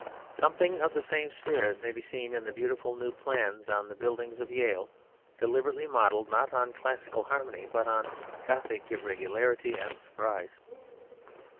Something of the same spirit may be seen in the beautiful new plans and buildings of Yale, deliberately modelled not on classical harmony but on Gothic irregularity and surprise.